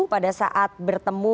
pada saat bertemu